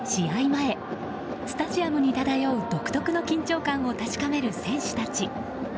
前、スタジアムに漂う独特の緊張感を確かめる選手たち。